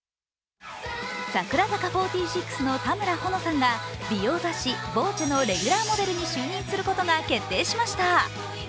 櫻坂４６の田村保乃さんが美容雑誌「ＶＯＣＥ」のレギュラーモデルに就任することが決定しました。